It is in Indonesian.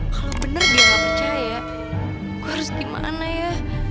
kalau benar dia gak percaya gue harus gimana ya